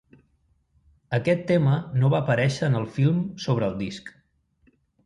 Aquest tema no va aparèixer en el film sobre el disc.